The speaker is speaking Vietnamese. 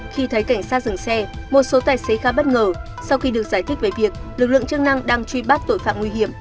khi thấy cảnh sát dừng xe một số tài xế khá bất ngờ sau khi được giải thích về việc lực lượng chức năng đang truy bắt tội phạm nguy hiểm